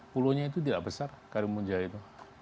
pulau nya itu tidak besar karimun jawa itu